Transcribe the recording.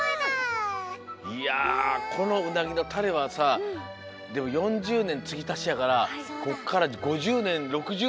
いやこのうなぎのタレはさでも４０ねんつぎたしやからこっから５０ねん６０ねんってさ。